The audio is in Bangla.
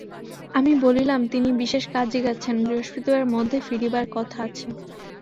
আমি বলিলাম, তিনি বিশেষ কাজে গেছেন, বৃহস্পতিবারের মধ্যে ফিরিবার কথা আছে।